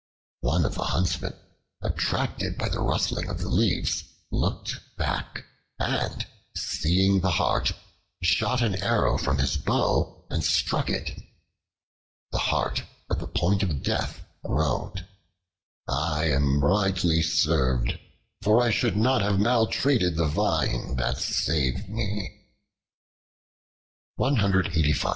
One of the huntsmen, attracted by the rustling of the leaves, looked back, and seeing the Hart, shot an arrow from his bow and struck it. The Hart, at the point of death, groaned: "I am rightly served, for I should not have maltreated the Vine that saved me."